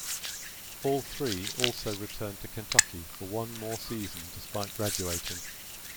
All three also returned to Kentucky for one more season despite graduating.